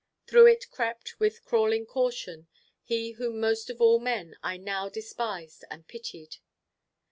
Through it crept, with crawling caution, he whom most of all men I now despised and pitied.